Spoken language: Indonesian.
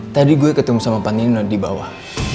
tadi gue ketemu sama panglino di bawah